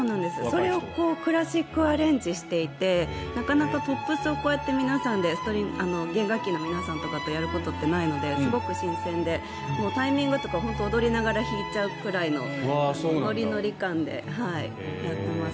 それをクラシックアレンジしていてなかなかこうやってポップスを弦楽器の皆さんとやることってないのですごく新鮮で「Ｔｉｍｉｎｇタイミング」とか本当に踊りながら弾いちゃうぐらいのノリノリ感でやってます。